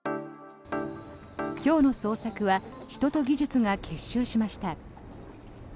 今日の捜索は人と技術が結集しました。